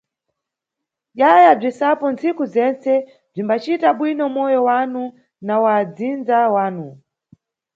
Dyaya bzisapo ntsiku zentse, bzimbacita bwino moyo wanu na wa adzindza wanu.